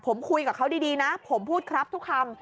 ผมคุยกับเขาดีนะผมพูดครับทุกคำ